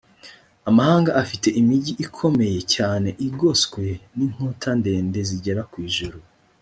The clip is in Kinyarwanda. amahanga afite imigi ikomeye cyane igoswe n’inkuta ndende zigera ku ijuru